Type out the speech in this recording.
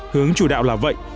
hướng chủ đạo là vậy